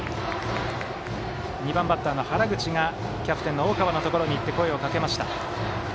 ２番バッターの原口がキャプテンの大川のところに行き声をかけました。